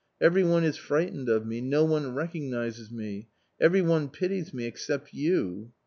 every one is frightened of me, no one recognises me — every one pities me — except you."